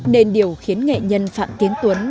nên điều khiến nghệ nhân phạm tiến tuấn